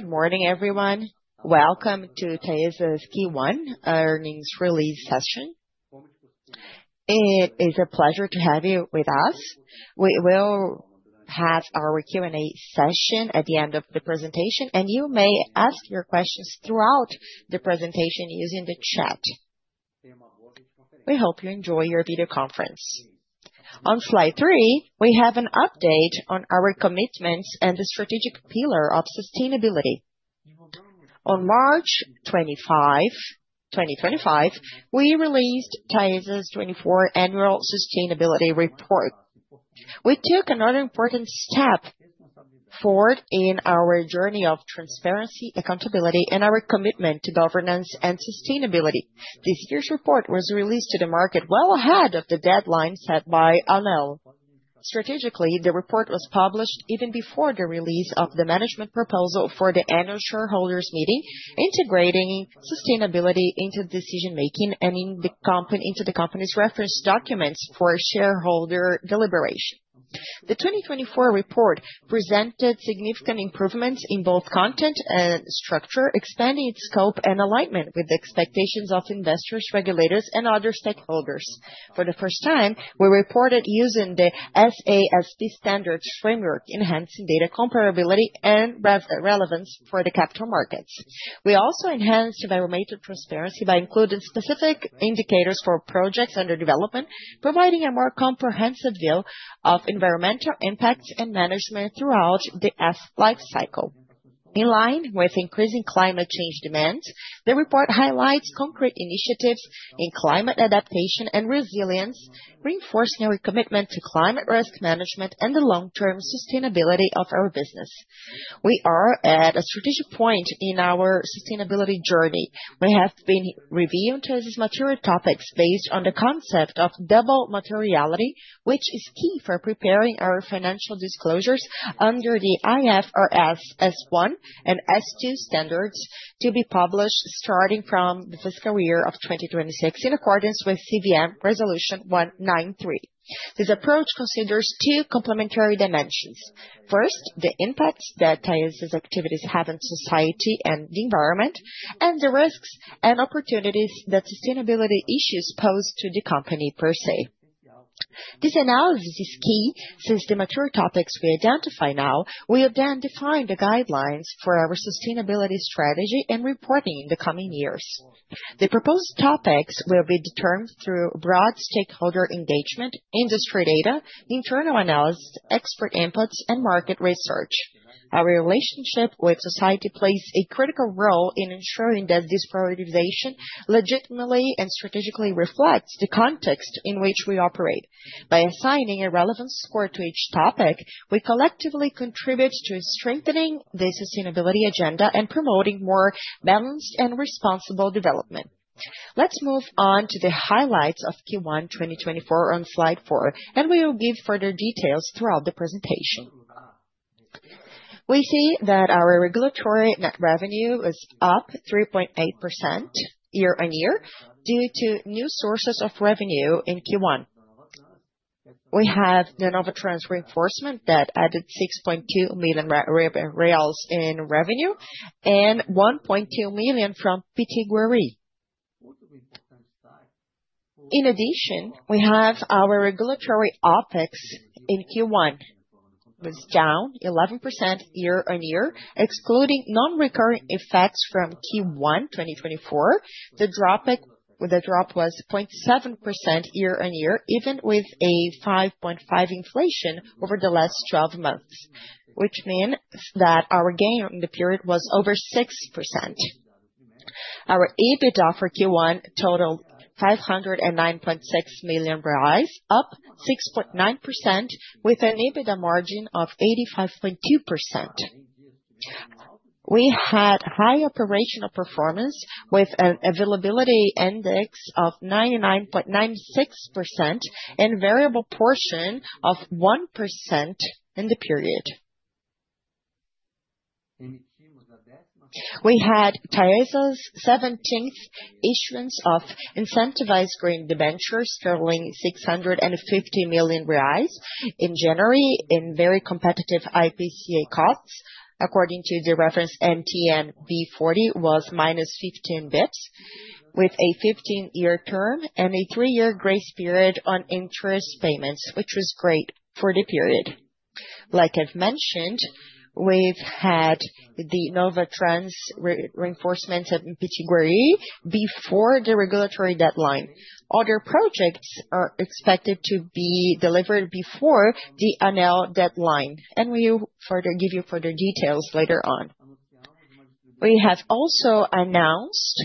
Good f5, everyone. Welcome to TAESA's Q1 earnings release session. It is a pleasure to have you with us. We will have our Q&A session at the end of the presentation, and you may ask your questions throughout the presentation using the chat. We hope you enjoy your video conference. On slide three, we have an update on our commitments and the strategic pillar of sustainability. On March 25, 2025, we released TAESA's 24th Annual Sustainability Report. We took another important step forward in our journey of transparency, accountability, and our commitment to governance and sustainability. This year's report was released to the market well ahead of the deadline set by ANEEL. Strategically, the report was published even before the release of the management proposal for the annual shareholders' meeting, integrating sustainability into decision-making and into the company's reference documents for shareholder deliberation. The 2024 report presented significant improvements in both content and structure, expanding its scope and alignment with the expectations of investors, regulators, and other stakeholders. For the first time, we reported using the SASP standards framework, enhancing data comparability and relevance for the capital markets. We also enhanced environmental transparency by including specific indicators for projects under development, providing a more comprehensive view of environmental impacts and management throughout the [F] lifecycle. In line with increasing climate change demands, the report highlights concrete initiatives in climate adaptation and resilience, reinforcing our commitment to climate risk management and the long-term sustainability of our business. We are at a strategic point in our sustainability journey. We have been reviewing today's material topics based on the concept of double materiality, which is key for preparing our financial disclosures under the IFRS S1 and S2 standards to be published starting from the fiscal year of 2026 in accordance with CVM Resolution 193. This approach considers two complementary dimensions. First, the impacts that TAESA's activities have on society and the environment, and the risks and opportunities that sustainability issues pose to the company per se. This analysis is key since the mature topics we identify now will then define the guidelines for our sustainability strategy and reporting in the coming years. The proposed topics will be determined through broad stakeholder engagement, industry data, internal analysis, expert inputs, and market research. Our relationship with society plays a critical role in ensuring that this prioritization legitimately and strategically reflects the context in which we operate. By assigning a relevance score to each topic, we collectively contribute to strengthening the sustainability agenda and promoting more balanced and responsible development. Let's move on to the highlights of Q1 2024 on slide four, and we will give further details throughout the presentation. We see that our regulatory net revenue is up 3.8% year-on-year due to new sources of revenue in Q1. We have the Novatrans reinforcement that added 6.2 million reais in revenue and 1.2 million from [PTGuery]. In addition, we have our regulatory OpEx in Q1. It was down 11% year-on-year, excluding non-recurring effects from Q1 2024. The drop was 0.7% year-on-year, even with a 5.5% inflation over the last 12 months, which means that our gain in the period was over 6%. Our EBITDA for Q1 totaled 509.6 million reais, up 6.9%, with an EBITDA margin of 85.2%. We had high operational performance with an availability index of 99.96% and a variable portion of 1% in the period. We had TAESA's 17th issuance of incentivized green ventures totaling BRL 650 million in January in very competitive IPCA costs, according to the reference MTN B40, was -15 [bits], with a 15-year term and a three-year grace period on interest payments, which was great for the period. Like I've mentioned, we've had the Novatrans reinforcement of [PTGuery] before the regulatory deadline. Other projects are expected to be delivered before the ANEEL deadline, and we will give you further details later on. We have also announced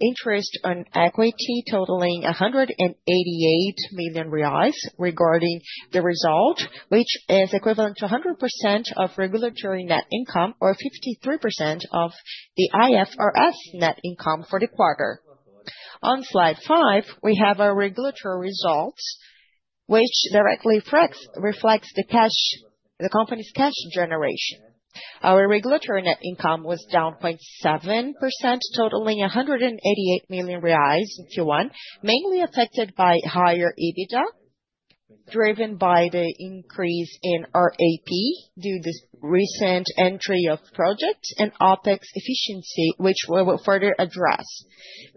interest on equity totaling 188 million reais regarding the result, which is equivalent to 100% of regulatory net income or 53% of the IFRS net income for the quarter. On slide five, we have our regulatory results, which directly reflects the company's cash generation. Our regulatory net income was down 0.7%, totaling 188 million reais in Q1, mainly affected by higher EBITDA, driven by the increase in RAP due to the recent entry of projects and OpEx efficiency, which we will further address.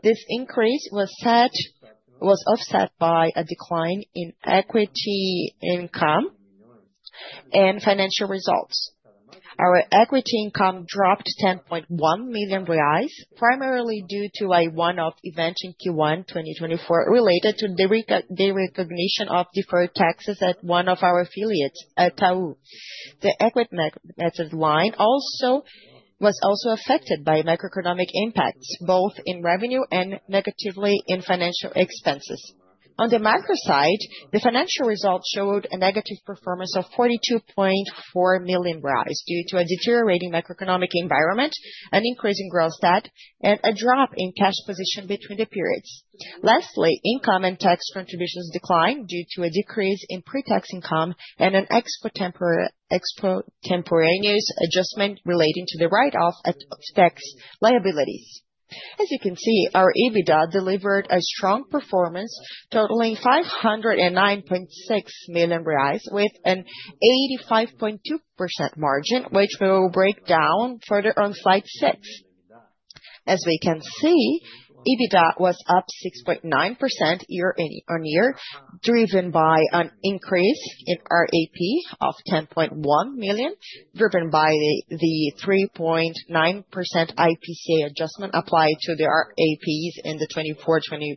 This increase was offset by a decline in equity income and financial results. Our equity income dropped 10.1 million reais, primarily due to a one-off event in Q1 2024 related to the recognition of deferred taxes at one of our affiliates at [TAU]. The equity line was also affected by macroeconomic impacts, both in revenue and negatively in financial expenses. On the macro side, the financial result showed a negative performance of 42.4 million due to a deteriorating macroeconomic environment, an increasing growth stat, and a drop in cash position between the periods. Lastly, income and tax contributions declined due to a decrease in pre-tax income and an export temporaneous adjustment relating to the write-off of tax liabilities. As you can see, our EBITDA delivered a strong performance totaling 509.6 million reais with an 85.2% margin, which we will break down further on slide six. As we can see, EBITDA was up 6.9% year-on-year, driven by an increase in RAP of 10.1 million, driven by the 3.9% IPCA adjustment applied to the RAPs in the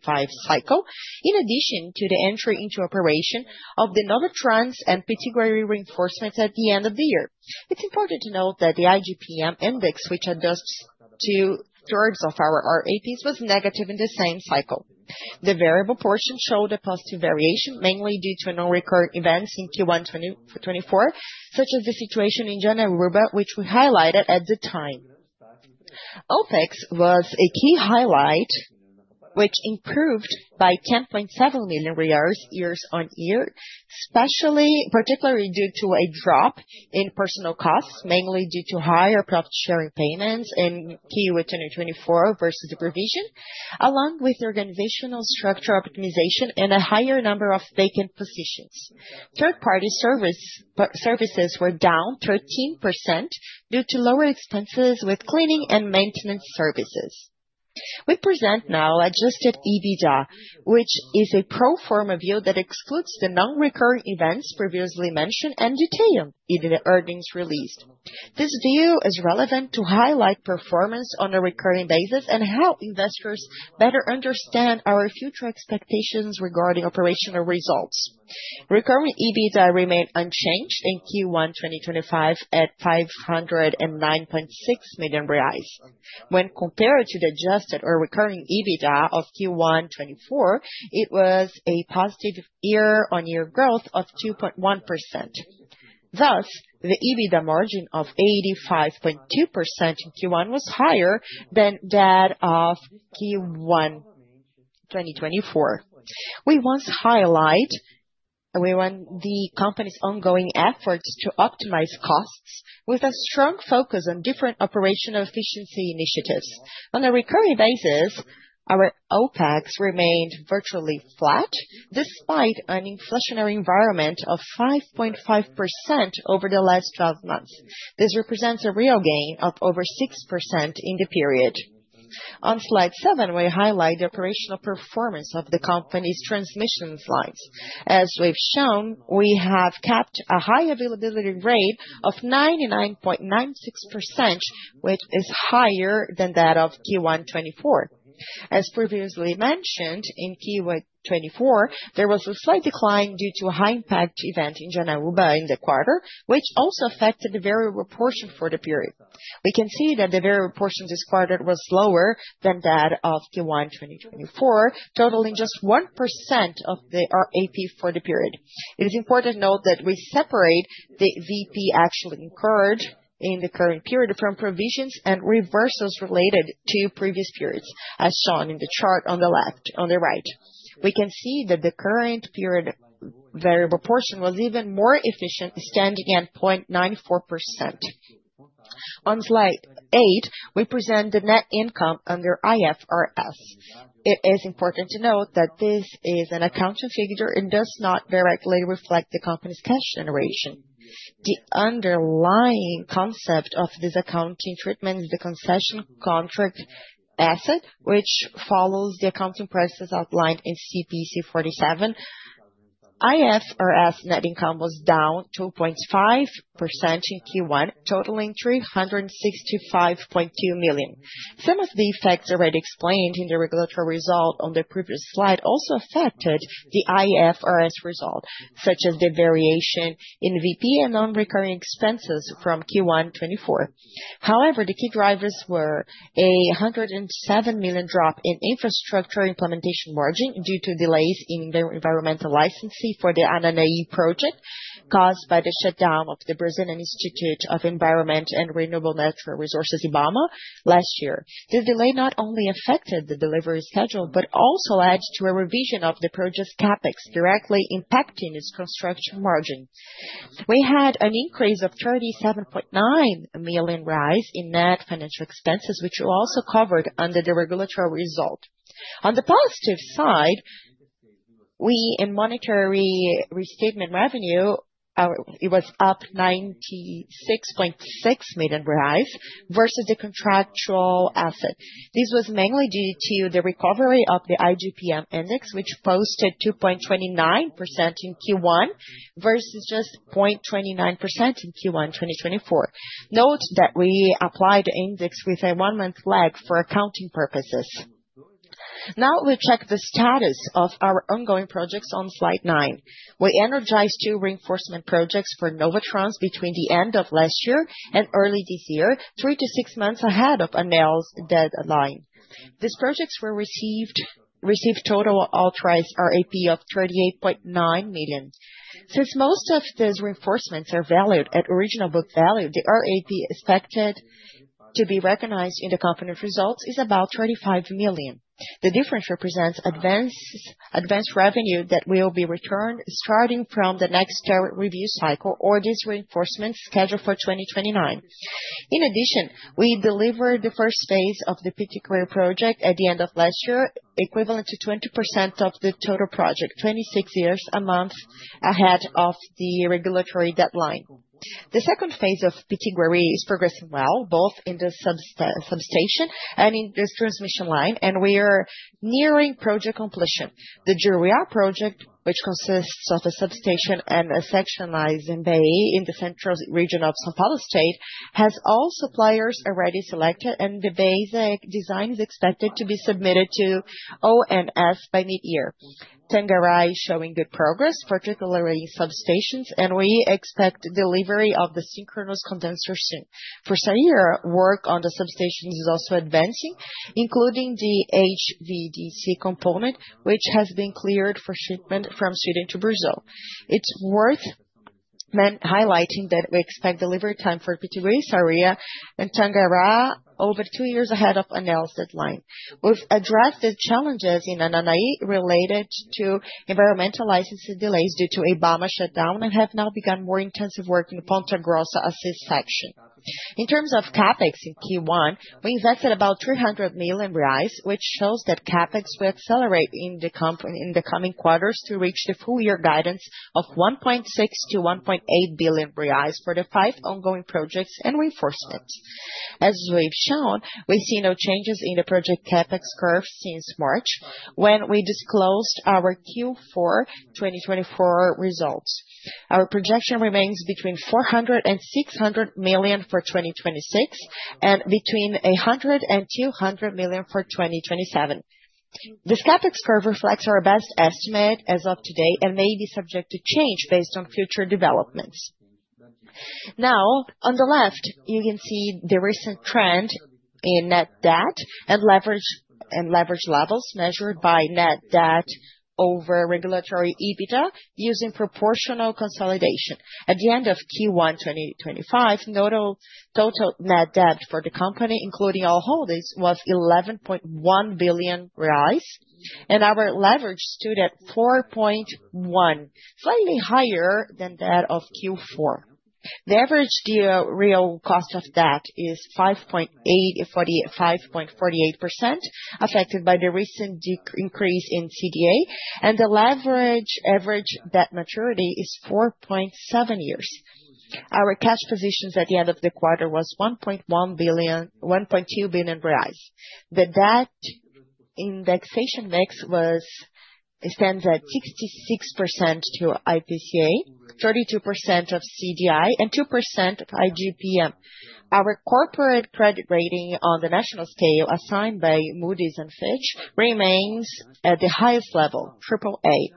2024-2025 cycle, in addition to the entry into operation of the Novatrans and [PTGuery] reinforcements at the end of the year. It's important to note that the IGPM index, which adjusts two thirds of our RAPs, was negative in the same cycle. The variable portion showed a positive variation, mainly due to non-recurring events in Q1 2024, such as the situation in [Janaúba] which we highlighted at the time. OpEx was a key highlight, which improved by BRL 10.7 million year-on-year, particularly due to a drop in personnel costs, mainly due to higher profit-sharing payments in Q2 2024 versus the provision, along with organizational structure optimization and a higher number of vacant positions. Third-party services were down 13% due to lower expenses with cleaning and maintenance services. We present now adjusted EBITDA, which is a pro forma view that excludes the non-recurring events previously mentioned and detailed in the earnings release. This view is relevant to highlight performance on a recurring basis and help investors better understand our future expectations regarding operational results. Recurring EBITDA remained unchanged in Q1 2025 at 509.6 million reais. When compared to the adjusted or recurring EBITDA of Q1 2024, it was a positive year-on-year growth of 2.1%. Thus, the EBITDA margin of 85.2% in Q1 was higher than that of Q1 2024. We once highlighted the company's ongoing efforts to optimize costs with a strong focus on different operational efficiency initiatives. On a recurring basis, our OpEx remained virtually flat despite an inflationary environment of 5.5% over the last 12 months. This represents a real gain of over 6% in the period. On slide seven, we highlight the operational performance of the company's transmission lines. As we've shown, we have kept a high availability rate of 99.96%, which is higher than that of Q1 2024. As previously mentioned, in Q1 2024, there was a slight decline due to a high-impact event in [Janaúba] in the quarter, which also affected the variable portion for the period. We can see that the variable portion this quarter was lower than that of Q1 2024, totaling just 1% of the RAP for the period. It is important to note that we separate the VP actually incurred in the current period from provisions and reversals related to previous periods, as shown in the chart on the right. We can see that the current period variable portion was even more efficient, standing at 0.94%. On slide eight, we present the net income under IFRS. It is important to note that this is an accounting figure and does not directly reflect the company's cash generation. The underlying concept of this accounting treatment is the concession contract asset, which follows the accounting process outlined in CPC 47. IFRS net income was down 2.5% in Q1, totaling 365.2 million. Some of the effects already explained in the regulatory result on the previous slide also affected the IFRS result, such as the variation in VP and non-recurring expenses from Q1 2024. However, the key drivers were a 107 million drop in infrastructure implementation margin due to delays in the environmental licensing for the [Ananai] project caused by the shutdown of the Brazilian Institute of Environment and Renewable Natural Resources, IBAMA, last year. This delay not only affected the delivery schedule, but also led to a revision of the project's CAPEX, directly impacting its construction margin. We had an increase of 37.9 million in net financial expenses, which we also covered under the regulatory result. On the positive side, in monetary restatement revenue, it was up 96.6 million versus the contractual asset. This was mainly due to the recovery of the IGPM index, which posted 2.29% in Q1 versus just 0.29% in Q1 2024. Note that we applied the index with a one-month lag for accounting purposes. Now we check the status of our ongoing projects on slide nine. We energized two reinforcement projects for Novatrans between the end of last year and early this year, three to six months ahead of ANEEL's deadline. These projects received total authorized RAP of 38.9 million. Since most of these reinforcements are valued at original book value, the RAP expected to be recognized in the company results is about 35 million. The difference represents advanced revenue that will be returned starting from the next review cycle or this reinforcement scheduled for 2029. In addition, we delivered the first phase of the [PTGuery] project at the end of last year, equivalent to 20% of the total project, twenty-six months ahead of the regulatory deadline. The second phase of [PTGuery] is progressing well, both in the substation and in the transmission line, and we are nearing project completion. The [Juriar] project, which consists of a substation and a sectionalized [bay] in the central region of São Paulo state, has all suppliers already selected, and the [basic] design is expected to be submitted to ONS by mid-year. Tangará s showing good progress, particularly in substations, and we expect delivery of the synchronous condenser soon. For [SAIR], work on the substations is also advancing, including the HVDC component, which has been cleared for shipment from Sweden to Brazil. It's worth highlighting that we expect delivery time for [PTGuery, Saria], and Tengará er two years ahead of ANEEL's deadline. We've addressed the challenges in [Ananai] related to environmental licensing delays due to IBAMA shutdown and have now begun more intensive work in the Ponta Grossa assist section. In terms of CapEx in Q1, we invested about 300 million reais, which shows that CAPEX will accelerate in the coming quarters to reach the full-year guidance of 1.6 billion-1.8 billion reais for the five ongoing projects and reinforcements. As we've shown, we see no changes in the project CapEx curve since March, when we disclosed our Q4 2024 results. Our projection remains between 400 million and 600 million for 2026 and between 100 million and 200 million for 2027. This CapEx curve reflects our best estimate as of today and may be subject to change based on future developments. Now, on the left, you can see the recent trend in net debt and leverage levels measured by net debt over regulatory EBITDA using proportional consolidation. At the end of Q1 2025, total net debt for the company, including all holdings, was 11.1 billion reais, and our leverage stood at 4.1, slightly higher than that of Q4. The average real cost of debt is 5.48%, affected by the recent increase in CDI, and the leverage average debt maturity is 4.7 years. Our cash positions at the end of the quarter were 1.2 billion reais. The debt indexation mix stands at 66% to IPCA, 32% to CDI, and 2% to IGPM. Our corporate credit rating on the national scale assigned by Moody's and Fitch remains at the highest level, AAA.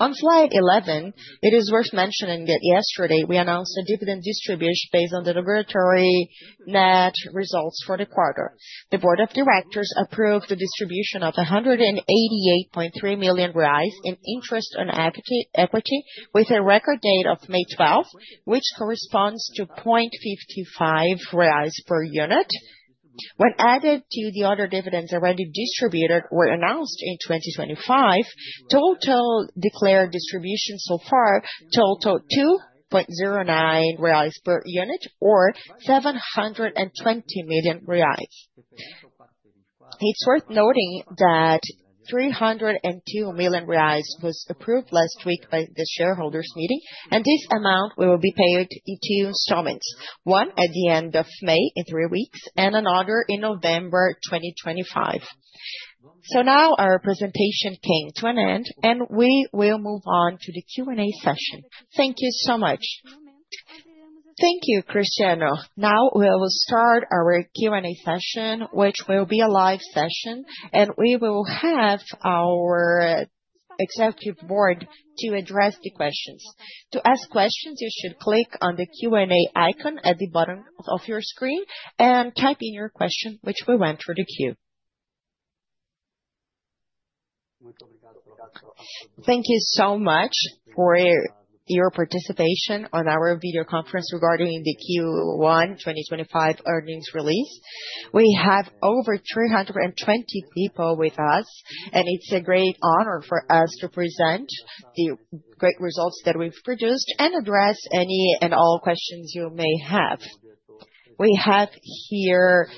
On slide 11, it is worth mentioning that yesterday we announced a dividend distribution based on the regulatory net results for the quarter. The board of directors approved the distribution of 188.3 million reais in interest on equity, with a record date of May 12, which corresponds to 0.55 reais per unit. When added to the other dividends already distributed or announced in 2025, total declared distribution so far totaled 2.09 reais per unit, or 720 million reais. It's worth noting that 302 million reais was approved last week by the shareholders' meeting, and this amount will be paid in two installments, one at the end of May in three weeks and another in November 2025. Now our presentation came to an end, and we will move on to the Q&A session. Thank you so much. Thank you, Cristiano. Now we will start our Q&A session, which will be a live session, and we will have our executive board to address the questions. To ask questions, you should click on the Q&A icon at the bottom of your screen and type in your question, which will enter the queue. Thank you so much for your participation on our video conference regarding the Q1 2025 earnings release. We have over 320 people with us, and it's a great honor for us to present the great results that we've produced and address any and all questions you may have. We have here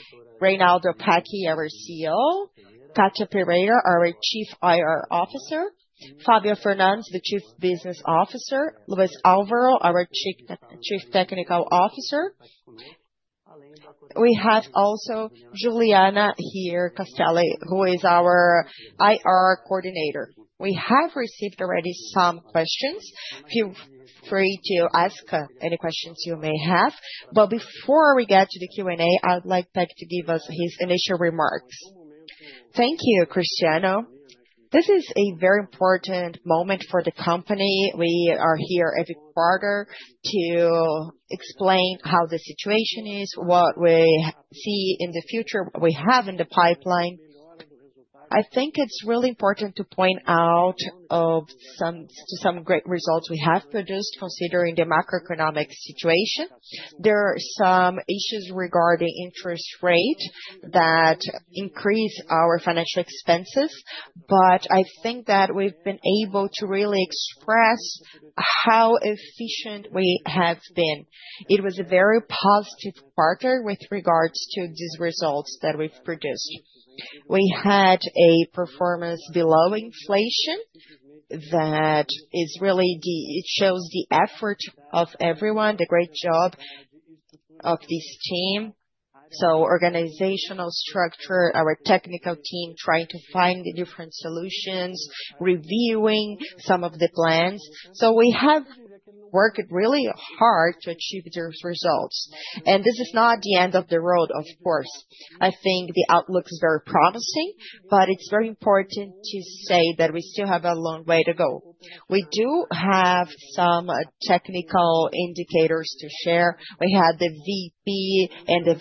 [Reinaldo Pecchio]`, our CEO, Catia Pereira, our Chief IR Officer; Fabio Fernandes, the Chief Business Officer; Luis Alvaro, our Chief Technical Officer. We have also Juliana Castelli, who is our IR Coordinator. We have received already some questions. Feel free to ask any questions you may have. Before we get to the Q&A, I'd like [Pecch] to give us his initial remarks. Thank you, Cristiano. This is a very important moment for the company. We are here every quarter to explain how the situation is, what we see in the future, what we have in the pipeline. I think it's really important to point out some great results we have produced, considering the macroeconomic situation. There are some issues regarding interest rates that increase our financial expenses, but I think that we've been able to really express how efficient we have been. It was a very positive quarter with regards to these results that we've produced. We had a performance below inflation that really shows the effort of everyone, the great job of this team. Organizational structure, our technical team trying to find different solutions, reviewing some of the plans. We have worked really hard to achieve those results. This is not the end of the road, of course. I think the outlook is very promising, but it's very important to say that we still have a long way to go. We do have some technical indicators to share. We had the VP and the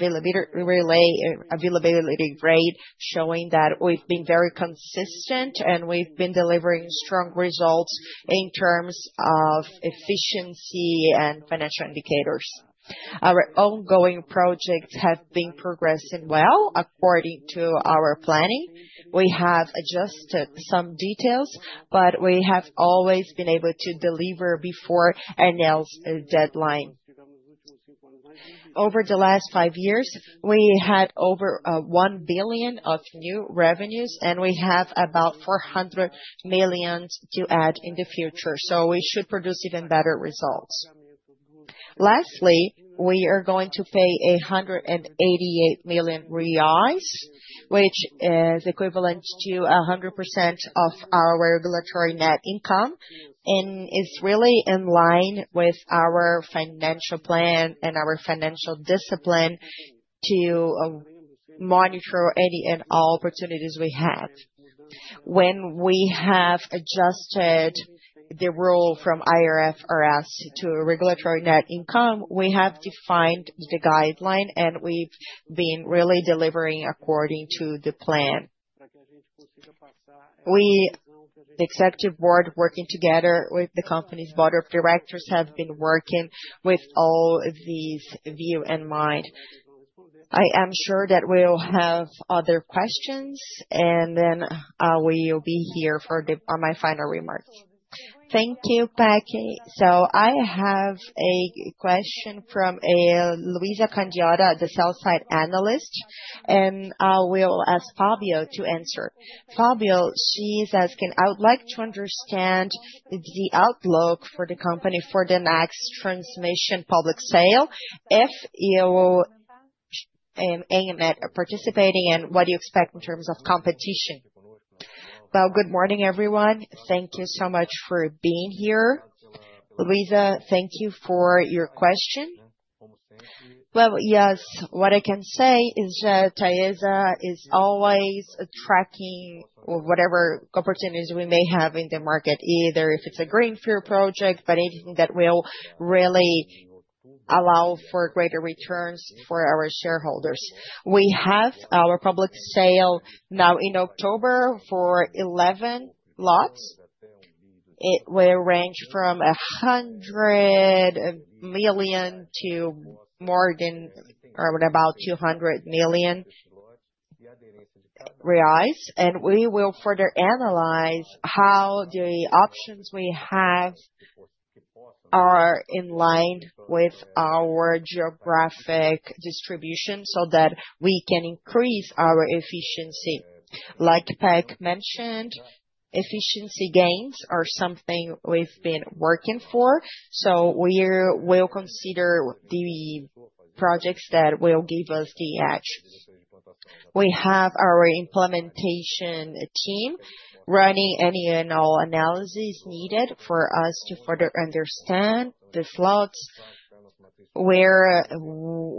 availability rate showing that we've been very consistent, and we've been delivering strong results in terms of efficiency and financial indicators. Our ongoing projects have been progressing well, according to our planning. We have adjusted some details, but we have always been able to deliver before ANEEL's deadline. Over the last five years, we had over 1 billion of new revenues, and we have about 400 million to add in the future. We should produce even better results. Lastly, we are going to pay 188 million reais, which is equivalent to 100% of our regulatory net income, and it's really in line with our financial plan and our financial discipline to monitor any and all opportunities we have. When we have adjusted the rule from IFRS to regulatory net income, we have defined the guideline, and we've been really delivering according to the plan. The Executive Board, working together with the company's Board of Directors, have been working with all these views in mind. I am sure that we'll have other questions, and then we'll be here for my final remarks. Thank you, [Pecchi]. I have a question from Luisa Candiotto, the sell-side analyst, and I will ask Fabio to answer. Fabio, she's asking, I would like to understand the outlook for the company for the next transmission public sale, if you're aiming at participating, and what do you expect in terms of competition? Good morning, everyone. Thank you so much for being here. Luisa, thank you for your question. Yes, what I can say is that TAESA is always tracking whatever opportunities we may have in the market, either if it's a greenfield project, but anything that will really allow for greater returns for our shareholders. We have our public sale now in October for 11 lots. It will range from 100 million to more than about 200 million reais, and we will further analyze how the options we have are in line with our geographic distribution so that we can increase our efficiency. Like [Pecch] mentioned, efficiency gains are something we've been working for, so we will consider the projects that will give us the edge. We have our implementation team running any and all analyses needed for us to further understand the [slots], where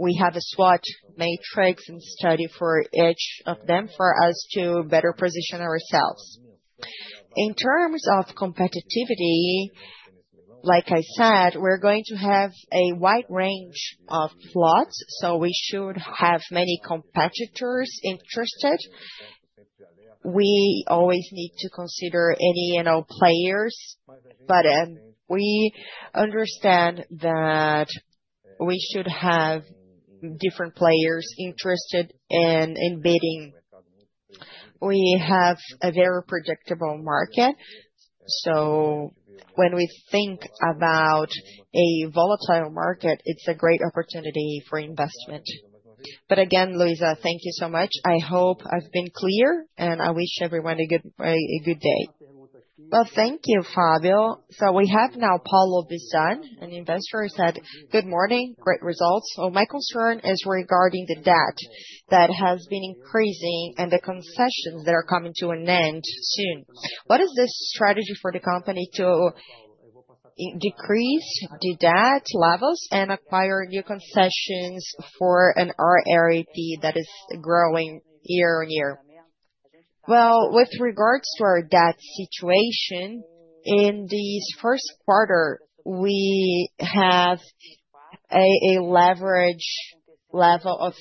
we have a SWOT matrix and study for each of them for us to better position ourselves. In terms of competitivity, like I said, we're going to have a wide range of [slots], so we should have many competitors interested. We always need to consider any and all players, but we understand that we should have different players interested in bidding. We have a very predictable market, so when we think about a volatile market, it's a great opportunity for investment. Again, Luisa, thank you so much. I hope I've been clear, and I wish everyone a good day. Thank you, Fabio. We have now Paulo Bissan, an investor. He said, "Good morning, great results. My concern is regarding the debt that has been increasing and the concessions that are coming to an end soon. What is the strategy for the company to decrease the debt levels and acquire new concessions for an RAP that is growing year-on-year?" With regards to our debt situation, in this first quarter, we have a leverage level of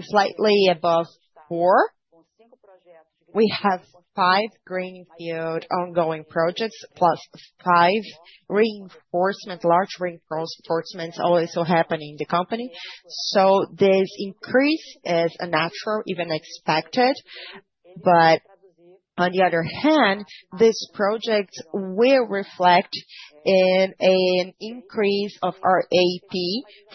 slightly above four. We have five greenfield ongoing projects, plus five large reinforcements also happening in the company. This increase is natural, even expected. On the other hand, this project will reflect in an increase of our RAP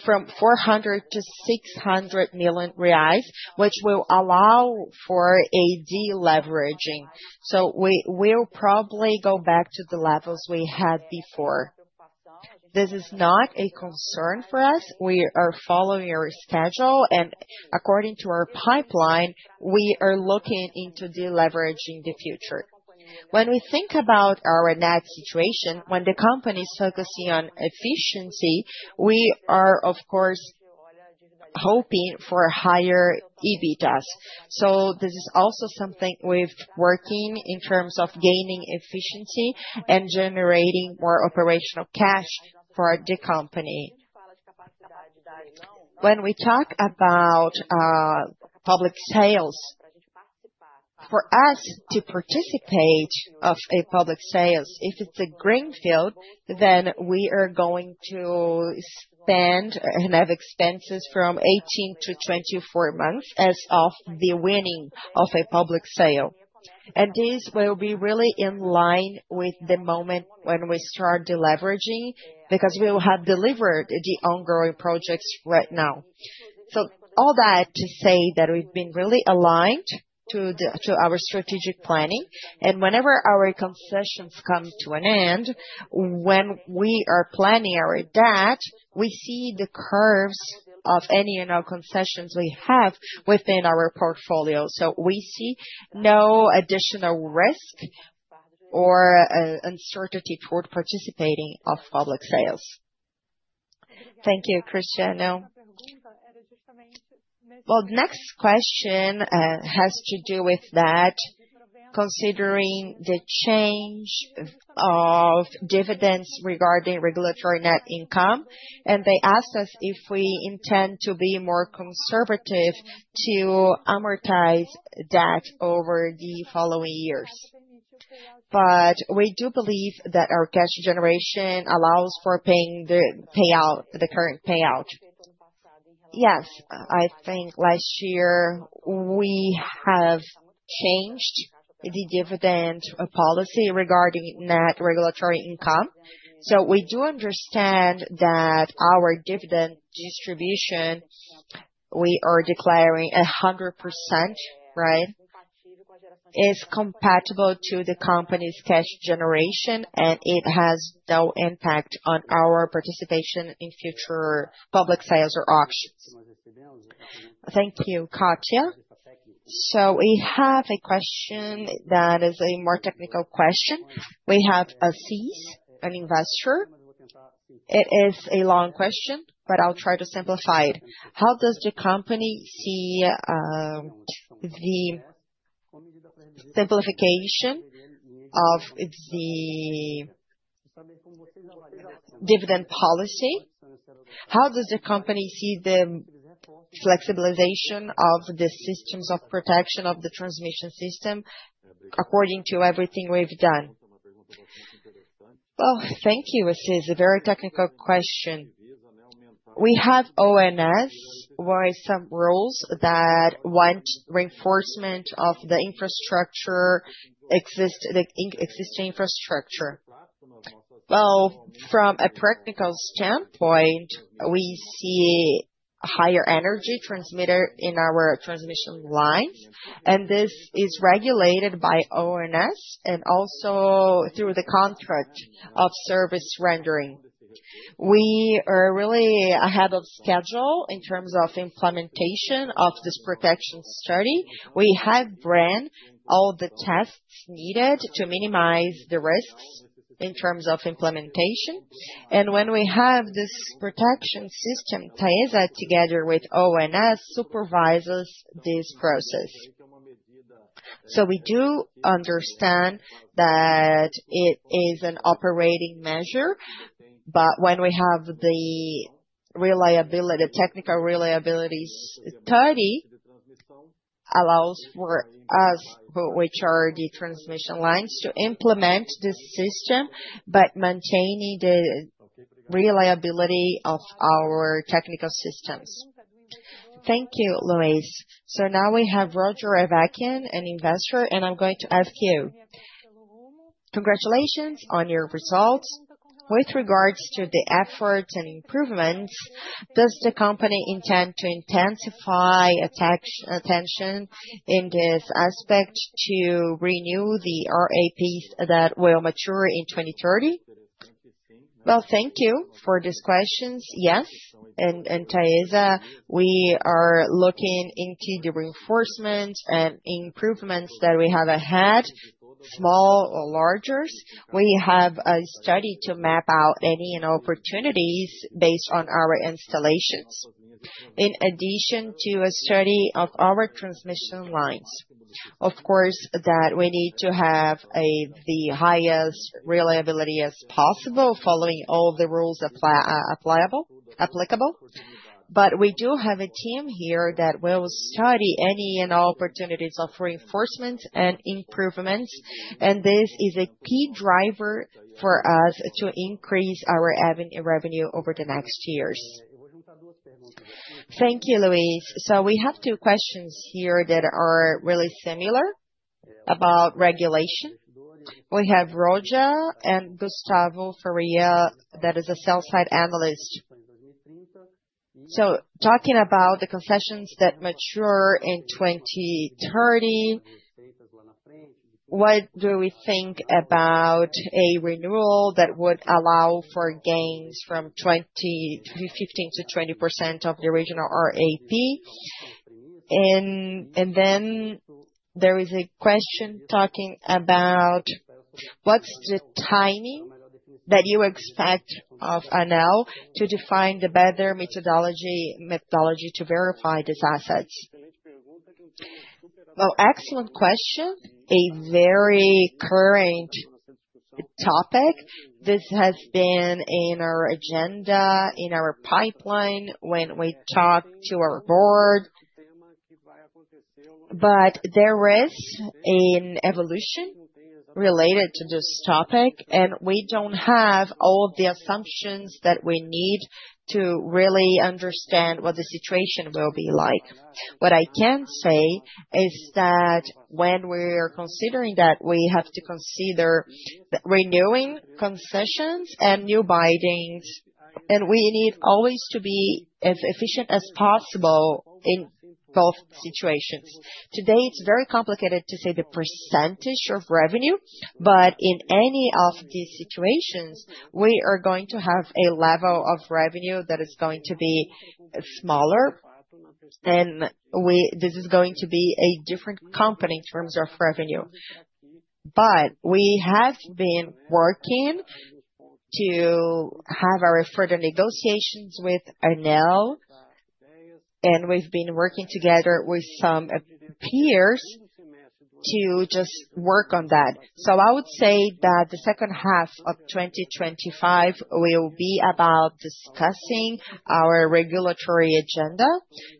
from 400 million to 600 million reais, which will allow for deleveraging. We will probably go back to the levels we had before. This is not a concern for us. We are following our schedule, and according to our pipeline, we are looking into deleveraging in the future. When we think about our net situation, when the company is focusing on efficiency, we are, of course, hoping for higher EBITDA. This is also something we're working on in terms of gaining efficiency and generating more operational cash for the company. When we talk about public sales, for us to participate in a public sale, if it's a greenfield, then we are going to spend and have expenses from 18 to 24 months as of the winning of a public sale. This will be really in line with the moment when we start deleveraging because we will have delivered the ongoing projects right now. All that to say that we've been really aligned to our strategic planning. Whenever our concessions come to an end, when we are planning our debt, we see the curves of any and all concessions we have within our portfolio. We see no additional risk or uncertainty toward participating in public sales. Thank you, Cristiano. The next question has to do with that, considering the change of dividends regarding regulatory net income. They asked us if we intend to be more conservative to amortize debt over the following years. We do believe that our cash generation allows for paying the current payout. Yes, I think last year we have changed the dividend policy regarding net regulatory income. We do understand that our dividend distribution we are declaring 100%, right, is compatible to the company's cash generation, and it has no impact on our participation in future public sales or auctions. Thank you, Catia. We have a question that is a more technical question. We have Aziz, an investor. It is a long question, but I'll try to simplify it. How does the company see the simplification of the dividend policy? How does the company see the flexibilization of the systems of protection of the transmission system according to everything we've done? Thank you, Aziz. A very technical question. We have ONS, where some rules that want reinforcement of the existing infrastructure. From a technical standpoint, we see a higher energy transmitter in our transmission lines, and this is regulated by ONS and also through the contract of service rendering. We are really ahead of schedule in terms of implementation of this protection study. We have run all the tests needed to minimize the risks in terms of implementation. When we have this protection system, TAESA together with ONS supervises this process. We do understand that it is an operating measure, but when we have the technical reliability study, it allows for us, which are the transmission lines, to implement this system, but maintaining the reliability of our technical systems. Thank you, Luis. Now we have Roger [Awakian], an investor, and I am going to ask you, "Congratulations on your results. With regards to the efforts and improvements, does the company intend to intensify attention in this aspect to renew the RAPs that will mature in 2030?" Thank you for these questions. Yes. At TAESA, we are looking into the reinforcements and improvements that we have ahead, small or larger. We have a study to map out any and all opportunities based on our installations, in addition to a study of our transmission lines. Of course, we need to have the highest reliability as possible following all the rules applicable. We do have a team here that will study any and all opportunities of reinforcements and improvements, and this is a key driver for us to increase our revenue over the next years. Thank you, Luis. We have two questions here that are really similar about regulation. We have Roger and Gustavo Ferria, who is a sell-side analyst. Talking about the concessions that mature in 2030, what do we think about a renewal that would allow for gains from 15% to 20% of the original RAP? There is a question talking about what is the timing that you expect of ANEEL to define the better methodology to verify these assets? Excellent question. A very current topic. This has been in our agenda, in our pipeline when we talk to our board. There is an evolution related to this topic, and we do not have all the assumptions that we need to really understand what the situation will be like. What I can say is that when we are considering that, we have to consider renewing concessions and new bindings, and we need always to be as efficient as possible in both situations. Today, it is very complicated to say the percentage of revenue, but in any of these situations, we are going to have a level of revenue that is going to be smaller, and this is going to be a different company in terms of revenue. We have been working to have our further negotiations with ANEEL, and we have been working together with some peers to just work on that. I would say that the second half of 2025 will be about discussing our regulatory agenda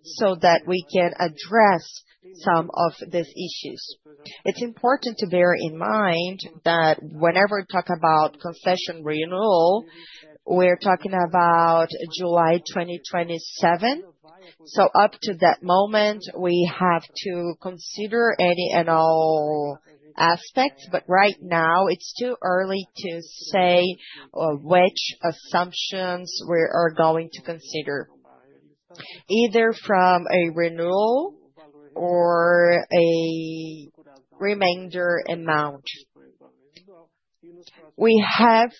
so that we can address some of these issues. It's important to bear in mind that whenever we talk about concession renewal, we're talking about July 2027. Up to that moment, we have to consider any and all aspects, but right now, it's too early to say which assumptions we are going to consider, either from a renewal or a remainder amount. We have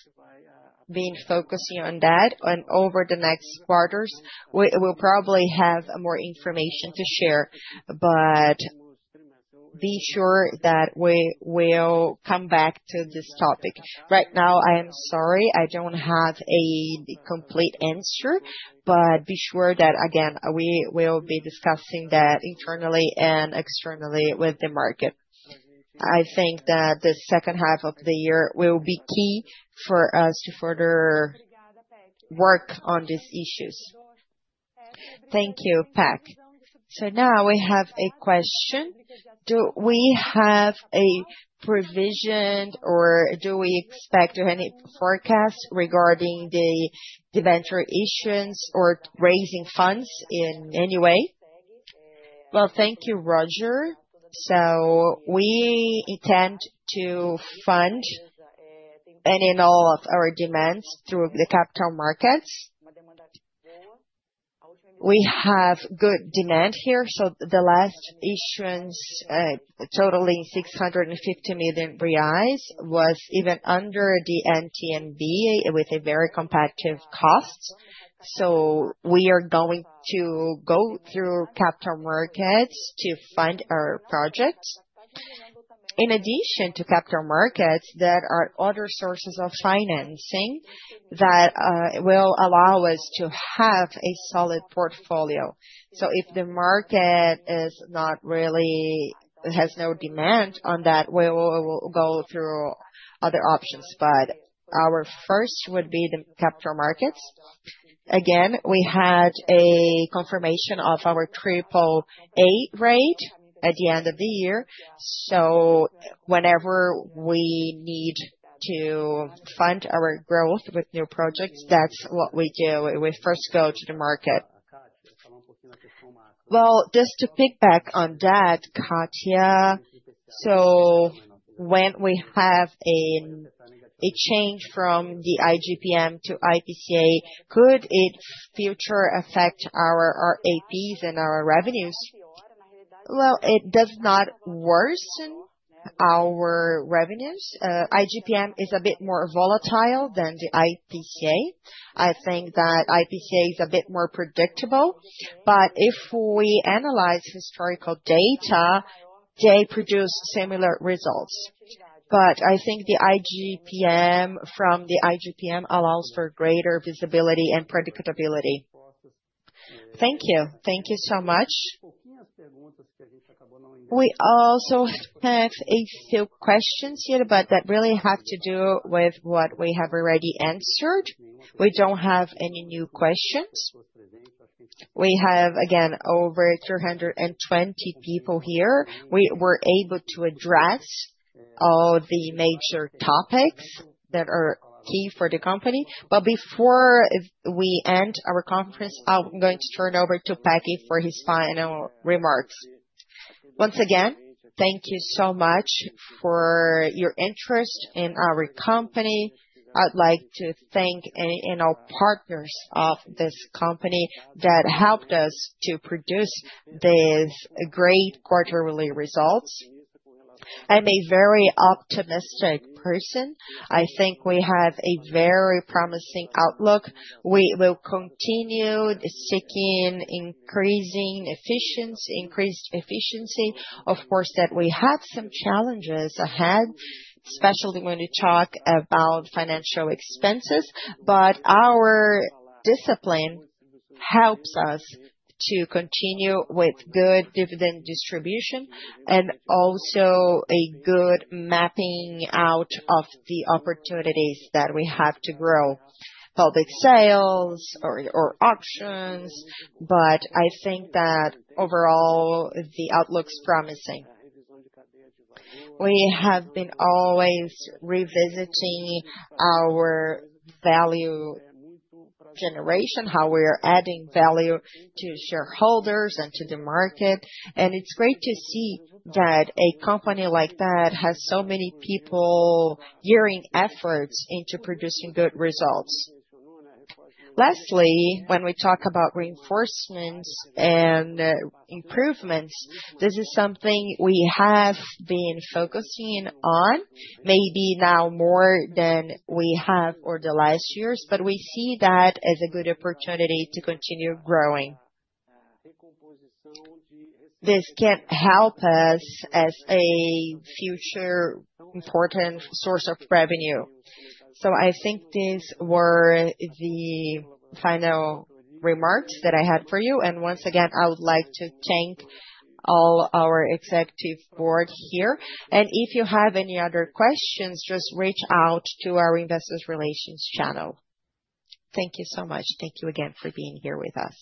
been focusing on that, and over the next quarters, we will probably have more information to share, but be sure that we will come back to this topic. Right now, I am sorry, I don't have a complete answer, but be sure that, again, we will be discussing that internally and externally with the market. I think that the second half of the year will be key for us to further work on these issues. Thank you, [Pecc]. Now we have a question. Do we have a provision or do we expect any forecast regarding the venture issues or raising funds in any way? Thank you, Roger. We intend to fund any and all of our demands through the capital markets. We have good demand here. The last issuance, totaling 650 million reais, was even under the NTMB with a very competitive cost. We are going to go through capital markets to fund our projects. In addition to capital markets, there are other sources of financing that will allow us to have a solid portfolio. If the market really has no demand on that, we will go through other options. Our first would be the capital markets. Again, we had a confirmation of our AAA rate at the end of the year. Whenever we need to fund our growth with new projects, that's what we do. We first go to the market. Just to piggyback on that, Catia, when we have a change from the IGPM to IPCA, could it in the future affect our RAPs and our revenues? It does not worsen our revenues. IGPM is a bit more volatile than the IPCA. I think that IPCA is a bit more predictable. If we analyze historical data, they produce similar results. I think the IGPM allows for greater visibility and predictability. Thank you. Thank you so much. We also have a few questions here, but that really have to do with what we have already answered. We don't have any new questions. We have, again, over 320 people here. We were able to address all the major topics that are key for the company. Before we end our conference, I'm going to turn over to [Pecchi] for his final remarks. Once again, thank you so much for your interest in our company. I'd like to thank any and all partners of this company that helped us to produce these great quarterly results. I'm a very optimistic person. I think we have a very promising outlook. We will continue seeking increased efficiency. Of course, we have some challenges ahead, especially when we talk about financial expenses. Our discipline helps us to continue with good dividend distribution and also a good mapping out of the opportunities that we have to grow, public sales or auctions. I think that overall, the outlook is promising. We have been always revisiting our value generation, how we are adding value to shareholders and to the market. It is great to see that a company like that has so many people gearing efforts into producing good results. Lastly, when we talk about reinforcements and improvements, this is something we have been focusing on, maybe now more than we have over the last years, but we see that as a good opportunity to continue growing. This can help us as a future important source of revenue. I think these were the final remarks that I had for you. Once again, I would like to thank all our executive board here. If you have any other questions, just reach out to our investors' relations channel. Thank you so much. Thank you again for being here with us.